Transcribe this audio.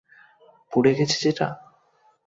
পুড়ে গেছে যেটা?